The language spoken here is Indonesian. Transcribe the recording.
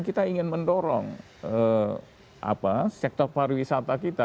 kita ingin mendorong sektor pariwisata kita